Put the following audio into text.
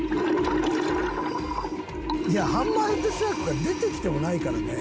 「いやハンマーヘッドシャークが出てきてもないからね」